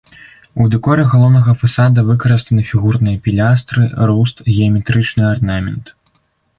У дэкоры галоўнага фасада выкарыстаны фігурныя пілястры, руст, геаметрычны арнамент.